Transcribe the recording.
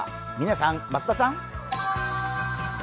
嶺さん、増田さん。